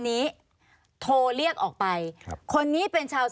ปีอาทิตย์ห้ามีสปีอาทิตย์ห้ามีส